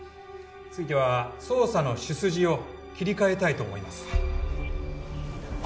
ついては捜査の主筋を切り替えたいと思います